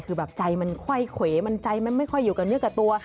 คือแบบใจมันไขว้เขวมันใจมันไม่ค่อยอยู่กับเนื้อกับตัว